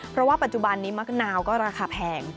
เพราะว่าปัจจุบันนี้มะนาวก็ราคาแพง